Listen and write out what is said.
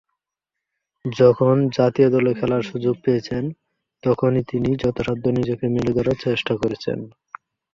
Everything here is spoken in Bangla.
যখন জাতীয় দলে খেলার সুযোগ পেয়েছেন, তখনি তিনি যথাসাধ্য নিজেকে মেলে ধরার চেষ্টা করেছেন।